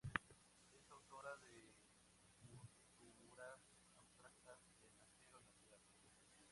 Es autora de esculturas abstractas en acero inoxidable.